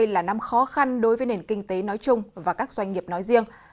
hai nghìn hai mươi là năm khó khăn đối với nền kinh tế nói chung và các doanh nghiệp nói riêng